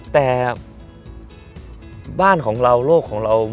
แต่บ้านของเราโลกของเรา